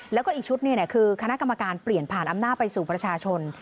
แล้วก็อีกชุดคือคณะกรรมการเปลี่ยนผ่านอำนาจไปสู่ประชาชน